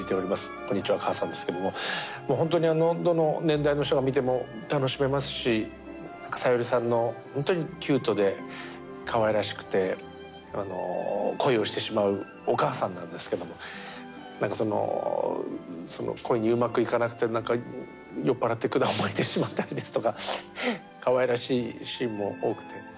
『こんにちは、母さん』ですけども本当にどの年代の人が見ても楽しめますし小百合さんの本当にキュートでかわいらしくて恋をしてしまうお母さんなんですけどもなんかその恋にうまくいかなくて酔っ払ってくだを巻いてしまったりですとかかわいらしいシーンも多くて。